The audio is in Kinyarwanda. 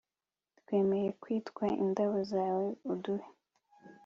twemeye kwitwa indabo zawe; uduhe